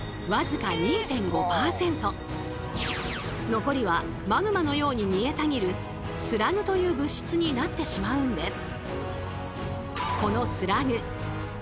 残りはマグマのように煮えたぎるスラグという物質になってしまうんです。